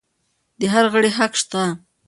د هر غړي حق شته.